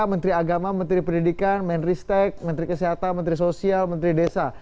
menteri agama menteri pendidikan menristek menteri kesehatan menteri sosial menteri desa